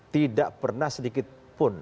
tidak pernah sedikit pun